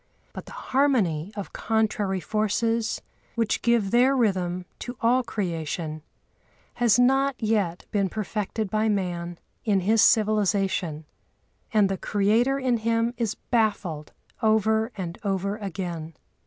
But the harmony of contrary forces, which give their rhythm to all creation, has not yet been perfected by man in his civilisation, and the Creator in him is baffled over and over again.